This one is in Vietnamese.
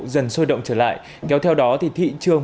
dần sôi động trở lại kéo theo đó thì thị trường